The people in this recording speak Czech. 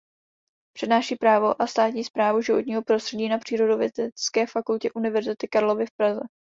Přednáší Právo a státní správu životního prostředí na Přírodovědecké fakultě Univerzity Karlovy v Praze.